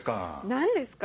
何ですか？